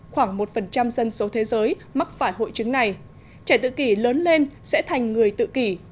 khoảng một dân số thế giới mắc phải hội chứng này trẻ tự kỷ lớn lên sẽ thành người tự kỷ